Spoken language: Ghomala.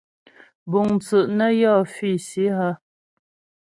Búŋ tsú' nə́ yɔ́ físi hə́ ?